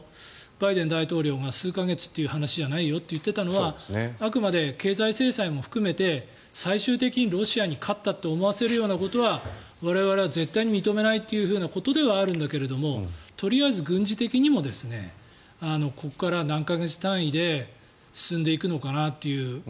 バイデン大統領が数か月という話じゃないよと言っていたのはあくまで経済制裁も含めて最終的にロシアに勝ったと思わせるような我々は絶対に認めないということではあるけれどとりあえず軍事的にもここから何か月単位で進んでいくのかなという。